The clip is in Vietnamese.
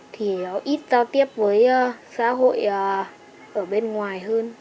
thì ít giao tiếp với xã hội ở bên ngoài hơn